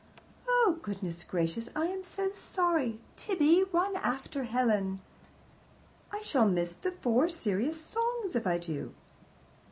"Oh, good gracious me! I am so sorry. Tibby, run after Helen." "I shall miss the Four Serious Songs if I do."